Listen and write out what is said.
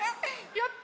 やった！